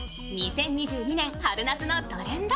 ２０２２年、春夏のトレンド